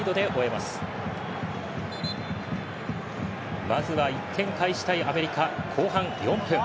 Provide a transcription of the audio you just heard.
まずは１点返したいアメリカ後半４分。